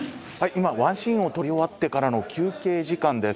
今ワンシーンを撮り終わってからの休憩時間です。